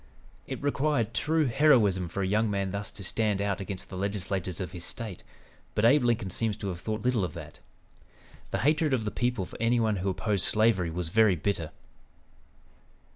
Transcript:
It required true heroism for a young man thus to stand out against the legislators of his State, but Abe Lincoln seems to have thought little of that. The hatred of the people for any one who opposed slavery was very bitter.